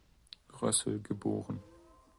Rössel geboren.